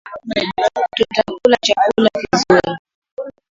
Tutakula chakula kizuri